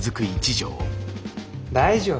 大丈夫。